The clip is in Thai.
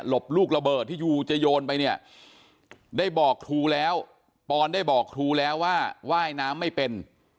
บลูกระเบิดที่ยูจะโยนไปเนี่ยได้บอกครูแล้วปอนได้บอกครูแล้วว่าว่ายน้ำไม่เป็น